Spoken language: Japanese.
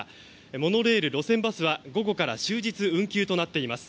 モノレール、路線バスは午後から終日運休となっています。